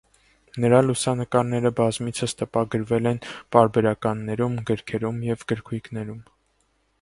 Նրա լուսանկարները բազմիցս տպագրվել են պարբերականներում, գրքերում եւ գրքույկներում։